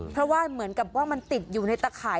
เพราะว่าเหมือนกับว่ามันติดอยู่ในตะข่าย